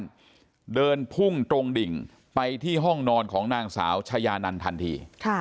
เดินพุ่งตรงดิ่งไปที่ห้องนอนของนางสาวชายานันทันที